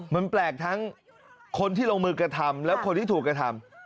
มันแปลกทั้งคนที่ลงมือกระทำและคนที่ถูกกระทำ